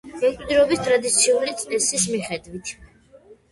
მემკვიდრეობის ტრადიციული წესის მიხედვით.